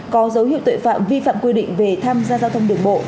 có dấu hiệu tội phạm vi phạm quy định về tham gia giao thông đường bộ